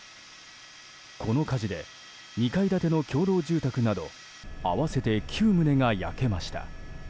この火事で２階建ての共同住宅など合わせて９棟が焼けました。